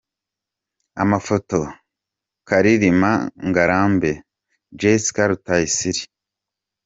Amafoto : Karirima Ngarambe & Jessica Rutayisire .